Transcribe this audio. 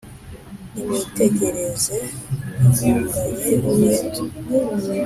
Nimwitegereze ahunganye umuheto